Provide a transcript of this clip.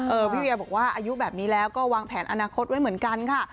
พี่เวียบอกว่าอายุแบบนี้แล้วก็วางแผนอนาคตไว้เหมือนกันค่ะ